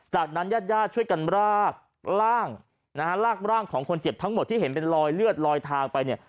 จากนั้นญาติช่วยกันรากร่างรากร่างของคนเจ็บทั้งหมดที่เห็นเป็นรอยเลือดรอยทางไป